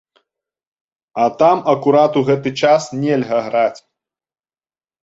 А там акурат у гэты час нельга граць.